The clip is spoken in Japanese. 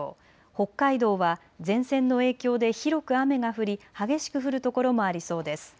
北海道は前線の影響で広く雨が降り激しく降る所もありそうです。